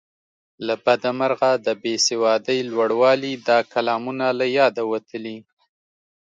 له بده مرغه د بې سوادۍ لوړوالي دا کلامونه له یاده وتلي.